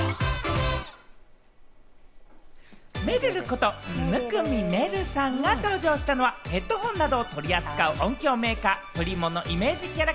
めるること生見愛瑠さんが登場したのはヘッドホンなどを取り扱う音響メーカー、プリモのイメージキャラ